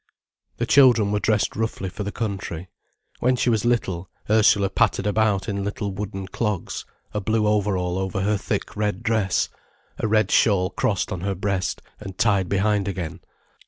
The children were dressed roughly for the country. When she was little, Ursula pattered about in little wooden clogs, a blue overall over her thick red dress, a red shawl crossed on her breast and tied behind again.